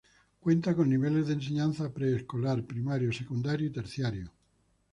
Cuenta con niveles de enseñanza Pre-Escolar, Primario, Secundario y Terciario.